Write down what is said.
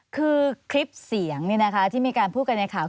คือคลิปเสียงที่มีการพูดกันในข่าว